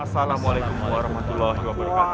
assalamualaikum warahmatullahi wabarakatuh